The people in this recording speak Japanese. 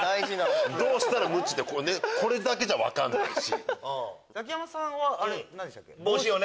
どうしたらムチにこれだけじゃ分かんないし。